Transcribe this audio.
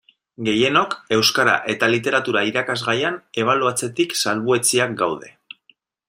Gehienok Euskara eta Literatura irakasgaian ebaluatzetik salbuetsiak gaude.